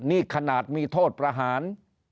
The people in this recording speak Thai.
นี่ขนาดมีโทษประหาร